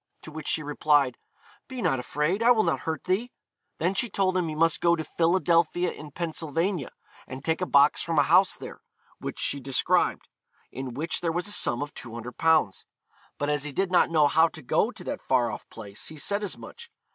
To which she replied, 'Be not afraid; I will not hurt thee.' Then she told him he must go to 'Philadelphia in Pennsylvania,' and take a box from a house there, (which she described,) in which there was a sum of 200_l._ But as he did not know how to go to that far off place, he said as much.